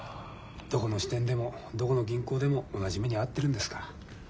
どこの支店でもどこの銀行でも同じ目に遭ってるんですから。